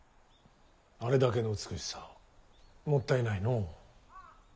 あれだけの美しさもったいないのう。